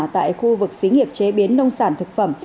tại khu vực xí nghiệp chế biến nông sản thực phẩm